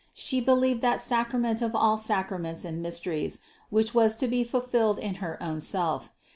She believed that Sacrament of all sacraments and mysteries, which was to be fulfilled in her own Self.